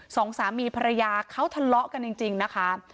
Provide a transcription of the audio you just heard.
สองสามีภรรยาเขาทะเลาะกันจริงนะคะ